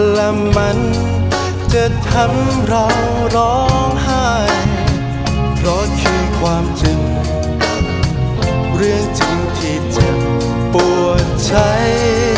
และมันจะทำเราร้องไห้เพราะคือความจริงเรื่องจริงที่เจ็บปวดใช้